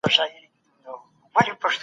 زه هڅه کوم چې هره ورځ ښه شم.